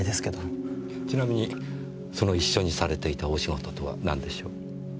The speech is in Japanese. ちなみにその一緒にされていたお仕事とは何でしょう？